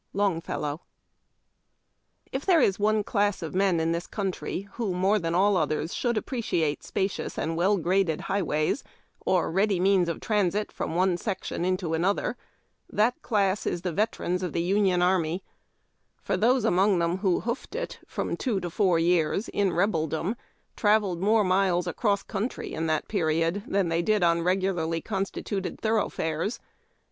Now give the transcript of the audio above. Longfellow. F there is one class of men in this country who more than all others should appreciate spacious and well graded highways, or ready means of transit from one sec tion into another, that class is the veterans of the Union Army ; for those among them who " hoofed it " from two to four years in Rebeldom travelled more miles across country in that period than they did on regularly constituted thoroughfares.